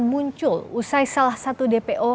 muncul usai salah satu dpo